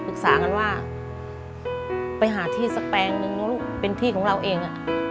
ปรึกษางั้นว่าไปหาที่สักแปลงเป็นที่ของเราเอง